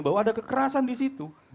bahwa ada kekerasan disitu